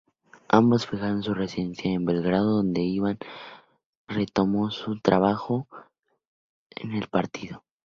Ambos fijaron su residencia en Belgrado, donde Ivan retomó su trabajo en el partido.